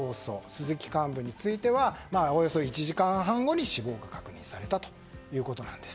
鈴木幹部についてはおよそ１時間半後に死亡が確認されたということなんです。